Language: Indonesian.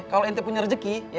kalau ente punya rezeki